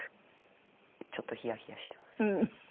ちょっとヒヤヒヤしてます。